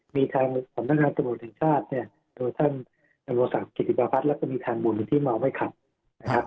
มีทางของทำงานสมุทรแห่งชาติโดยท่านธรรมศักดิ์กิจกราภัฐและมีทางบุญที่มาเอาไว้ขับ